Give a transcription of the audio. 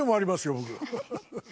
僕。